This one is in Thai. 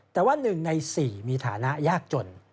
แต่ว่า๑ใน๔มีฐานะยากจน